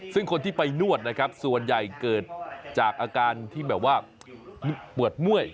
ซึ่งคนที่ไปนวดนะครับส่วนใหญ่เกิดจากอาการที่แบบว่าปวดเมื่อย